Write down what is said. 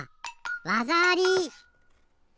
わざあり！